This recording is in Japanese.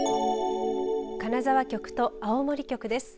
金沢局と青森局です。